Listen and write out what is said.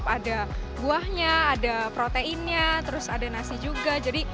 ada buahnya ada proteinnya terus ada nasi juga